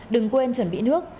đừng quên chuẩn bị nước